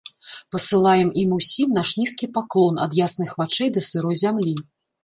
Пасылаем ім усім наш нізкі паклон, ад ясных вачэй да сырой зямлі.